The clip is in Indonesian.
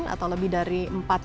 atau lebih dari